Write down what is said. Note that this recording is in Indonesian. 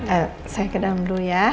ehm saya ke dalam dulu ya